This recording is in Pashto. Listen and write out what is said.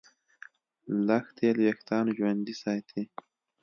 لږ تېل وېښتيان ژوندي ساتي.